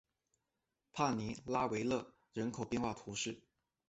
帕尼拉维勒人口变化图示